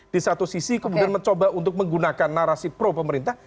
di satu sisi kemudian mencoba untuk menggunakan narasi pro pemerintah